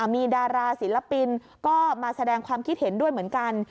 มีดาราศิลปินก็มาแสดงความคิดเห็นด้วยเหมือนกัน